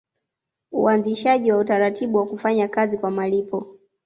Uanzishaji wa utaratibu wa kufanya kazi kwa malipo